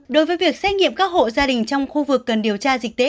đối với việc xét nghiệm các hộ gia đình trong khu vực cần điều tra dịch tễ